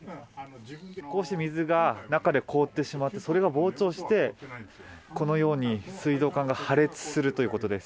こうして水が中で凍ってしまってそれが膨張してしまってこのように水道管が破裂するということです。